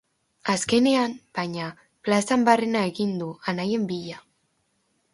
Azkenean, baina, plazan barrena egin du, anaien bila.